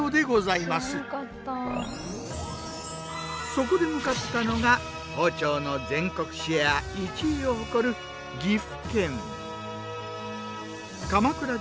そこで向かったのが包丁の全国シェア１位を誇るうわ渋っ。